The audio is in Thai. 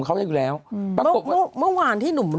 แต่รู้อย่างเดียวก็คืออะไรไหมนางมีความรู้